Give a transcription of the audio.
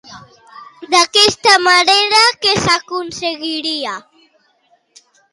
D'aquesta manera, què s'aconseguiria?